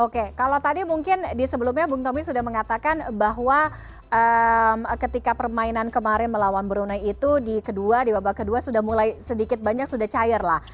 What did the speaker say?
oke kalau tadi mungkin di sebelumnya bung tommy sudah mengatakan bahwa ketika permainan kemarin melawan brunei itu di kedua di babak kedua sudah mulai sedikit banyak sudah cair lah